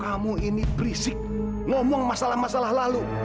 kamu ini berbicara tentang masalah masalah yang sudah lalu